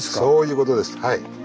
そういうことです。